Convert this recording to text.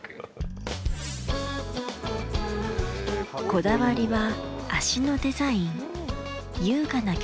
こだわりは、脚のデザイン。